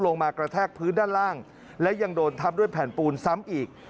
มากระแทกพื้นด้านล่างและยังโดนทับด้วยแผ่นปูนซ้ำอีก